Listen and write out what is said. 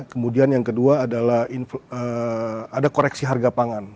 kemudian yang kedua adalah ada koreksi harga pangan